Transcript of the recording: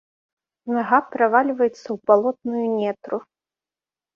Нага правальваецца ў балотную нетру.